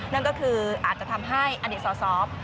นั่นก็คืออาจจะทำให้อดีตซอซอฟ